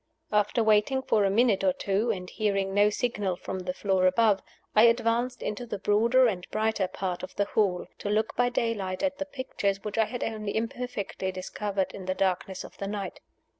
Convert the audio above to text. After waiting for a minute or two, and hearing no signal from the floor above, I advanced into the broader and brighter part of the hall, to look by daylight at the pictures which I had only imperfectly discovered in the darkness of the night.